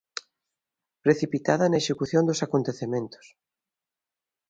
Precipitada na execución dos acontecementos.